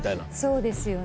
そうですよね。